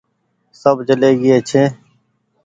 سب چلي گيئي ڇي۔